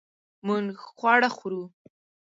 مونږ خواړه خورو